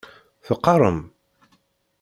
Teqqarem?